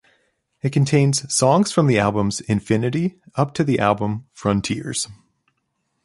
It contains songs from the albums "Infinity" up to the album "Frontiers".